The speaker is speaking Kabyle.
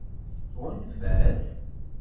Tɣunfa-t?